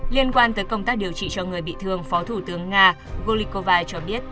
liên quan tới công tác điều trị cho người bị thương phó thủ tướng nga golikova cho biết